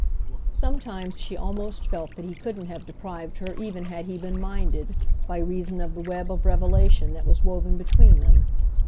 Sometimes she almost felt that he couldn't have deprived her even had he been minded, by reason of the web of revelation that was woven between them.